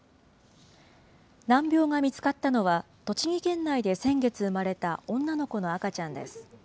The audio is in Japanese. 難病が見つかったのは、栃木県内で先月生まれた女の子の赤ちゃんです。